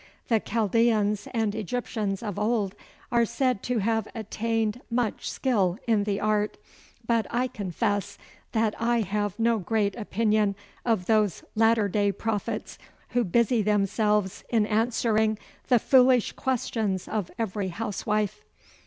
The Chaldeans and Egyptians of old are said to have attained much skill in the art, but I confess that I have no great opinion of those latter day prophets who busy themselves in answering the foolish questions of every housewife.